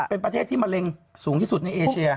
เป็นประเทศที่มะเร็งสูงที่สุดในเอเชีย